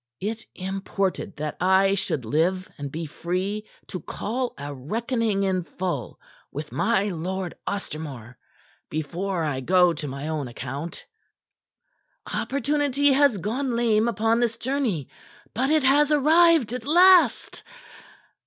It imported that I should live and be free to call a reckoning in full with my Lord Ostermore before I go to my own account. "Opportunity has gone lame upon this journey. But it has arrived at last.